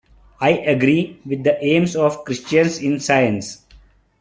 I agree with the aims of Christians in Science.